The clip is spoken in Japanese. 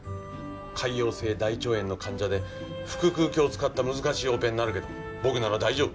潰瘍性大腸炎の患者で腹腔鏡を使った難しいオペになるけど僕なら大丈夫。